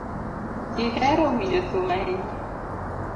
Ihero winjo thum ahinya.